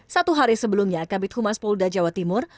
satu hari sebelumnya kabit humas polda jawa timur